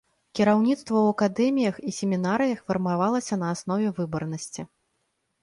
Кіраўніцтва ў акадэміях і семінарыях фармавалася на аснове выбарнасці.